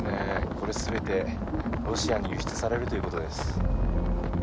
これすべて、ロシアに輸出されるということです。